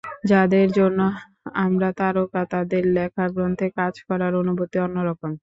যাঁদের জন্য আমরা তারকা, তাঁদের লেখা গল্পে কাজ করার অনুভূতি অন্য রকম।